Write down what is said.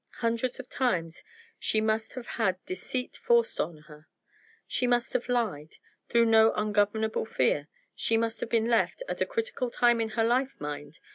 Hundreds of times she must have had deceit forced on her; she must have lied, through ungovernable fear; she must have been left (at a critical time in her life, mind!)